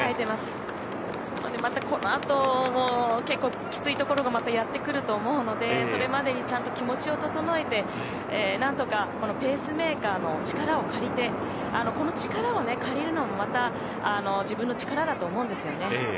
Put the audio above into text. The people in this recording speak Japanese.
またこのあと結構きついところがまたやってくると思うのでそれまでにちゃんと気持ちを整えて何とかこのペースメーカーの力を借りてこの力を借りるのもまた自分の力だと思うんですよね。